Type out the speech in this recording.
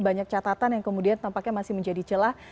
banyak catatan yang kemudian tampaknya masih menjadi celah